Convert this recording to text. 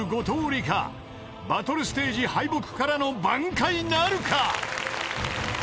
［バトルステージ敗北からの挽回なるか］